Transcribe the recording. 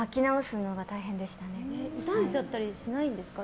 傷んじゃったりしないんですか？